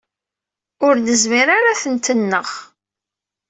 Ur nezmir ara ad tent-nneɣ.